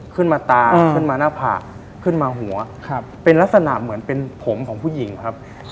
ขึ้นมาตาขึ้นมาหน้าผากขึ้นมาหัวเป็นลักษณะเหมือนเป็นผมของผู้หญิงครับ